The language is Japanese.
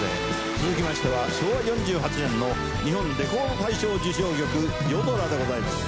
続きましては昭和４８年の日本レコード大賞受賞曲『夜空』でございます。